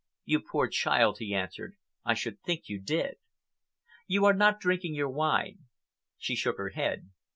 "You poor child," he answered, "I should think you did. You are not drinking your wine." She shook her head.